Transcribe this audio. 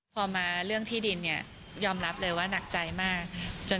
พอมาเรื่องที่ดินเนี่ยยอมรับเลยว่าหนักใจมาก